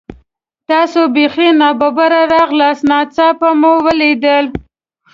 تاسې بیخي نا ببره راغلاست، ناڅاپه مو لیدل.